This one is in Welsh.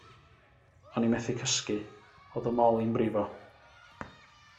On i methu cysgu, oedd 'y mol i'n brifo.